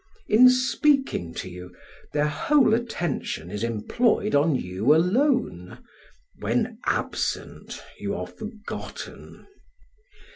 In speaking to you, their whole attention is employed on you alone, when absent you are forgotten.